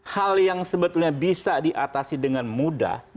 hal yang sebetulnya bisa diatasi dengan mudah